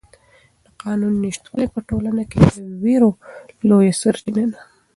د قانون نشتوالی په ټولنه کې د وېرو لویه سرچینه ده.